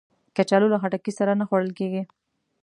کچالو له خټکی سره نه خوړل کېږي